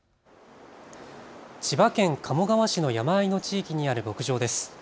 千葉県鴨川市の山あいの地域にある牧場です。